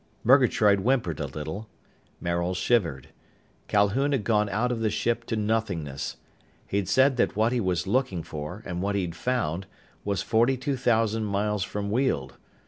Murgatroyd whimpered a little. Maril shivered. Calhoun had gone out of the ship to nothingness. He'd said that what he was looking for, and what he'd found, was forty two thousand miles from Weald.